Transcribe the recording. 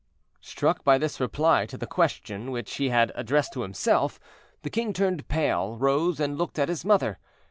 Struck by this reply to the question which he had addressed to himself, the king turned pale, rose, and looked at his mother.